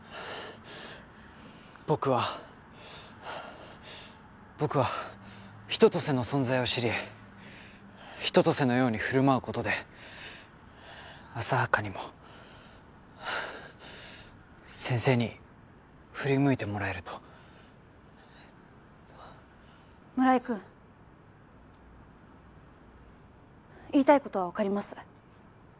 僕は僕は春夏秋冬の存在を知り春夏秋冬のように振る舞うことで浅はかにも先生に振り向いてもらえると村井君言いたいことは分かります